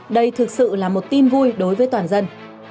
đây thực sự là một tin vui đối với toàn dân